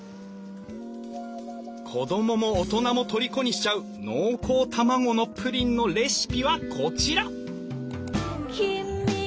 子供も大人もとりこにしちゃう濃厚卵のプリンのレシピはこちら！